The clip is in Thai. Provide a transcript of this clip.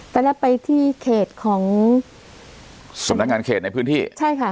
ตอนแรกไปที่เขตของสำนักงานเขตในพื้นที่ใช่ค่ะ